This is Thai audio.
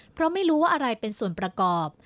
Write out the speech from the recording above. เพราะไม่รู้ว่าอะไรเป็นส่วนประกอบ